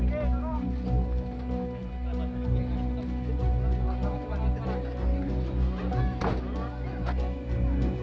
masih di kamar mandi